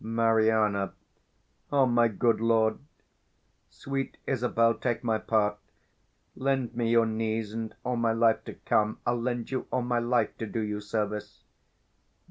Mari. O my good lord! Sweet Isabel, take my part; Lend me your knees, and all my life to come I'll lend you all my life to do you service.